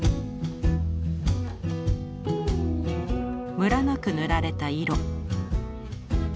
ムラなく塗られた色。